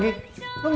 gak usah nanya